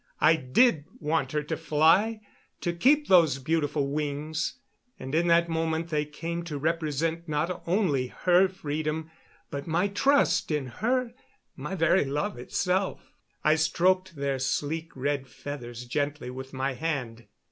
I did want her to fly, to keep those beautiful wings. And in that moment they came to represent not only her freedom, but my trust in her, my very love itself. I stroked their sleek red feathers gently with my hand.